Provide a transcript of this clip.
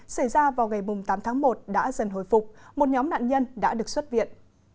xảy ra vào ngày tám tháng một đã dần hồi phục một nhóm nạn nhân đã được xuất viện